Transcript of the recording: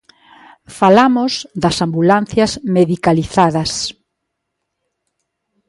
Falamos das ambulancias medicalizadas.